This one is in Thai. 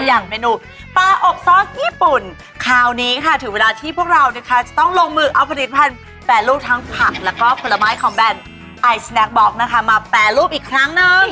อย่างเมนูปลาอบซอสญี่ปุ่นคราวนี้ถึงเวลาที่พวกเราจะต้องลงมือเอาผลิตผ่านแป่รูปทั้งผักและผลไม้ของแบรนด์ไอสแนคบ็อกซ์มาแป่รูปอีกครั้งนั้น